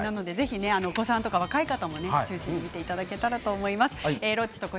お子様とか若い方を中心に見ていただければと思います。